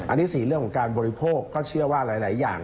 อันนี้๔เรื่องของการบริโภคก็เชื่อว่าหลายอย่าง